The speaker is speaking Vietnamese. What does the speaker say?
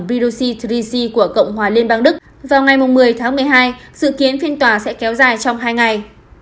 vitoc ba c của cộng hòa liên bang đức vào ngày một mươi tháng một mươi hai sự kiến phiên tòa sẽ kéo dài trong hai ngày